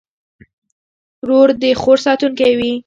ورور د خور ساتونکی وي.